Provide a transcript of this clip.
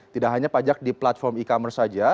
tidak hanya pajak di platform e commerce saja